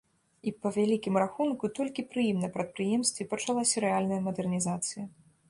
І, па вялікім рахунку, толькі пры ім на прадпрыемстве пачалася рэальная мадэрнізацыя.